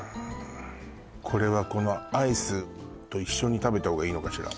これはこのアイスと一緒に食べた方がいいのかしら？